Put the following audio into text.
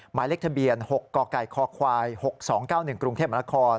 หมายเลขทะเบียน๖กกค๖๒๙๑กรุงเทพมค